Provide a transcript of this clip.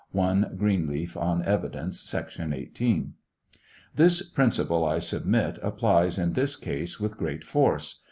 (1 Greenleaf on Evi dence, sec. 18.) This principle, I submit, applies in this case with great force.